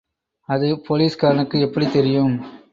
அது போலிஸ்காரனுக்கு எப்படித் தெரியும்?